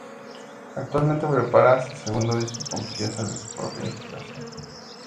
Actualmente prepara su segundo disco con piezas de su propia inspiración.